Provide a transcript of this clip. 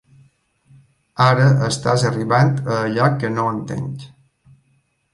Ara estàs arribant a allò que no entenc.